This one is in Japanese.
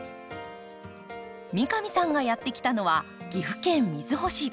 三上さんがやって来たのは岐阜県瑞穂市。